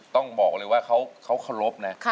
ต้องบอกเลยว่าเขาเคารพนะ